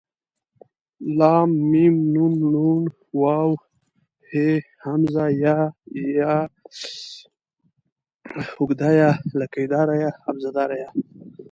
ل م ن ڼ و ه ء ی ي ې ۍ ئ